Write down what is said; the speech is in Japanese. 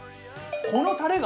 このたれが。